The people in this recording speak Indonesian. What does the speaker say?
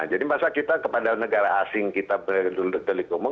jadi masa kita kepada negara asing kita berdua delik umum